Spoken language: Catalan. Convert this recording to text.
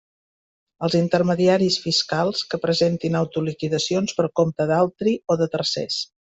Els intermediaris fiscals que presentin autoliquidacions per compte d'altri o de tercers.